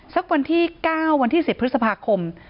สักวันที่๙วันที่๑๐พฤษภาคม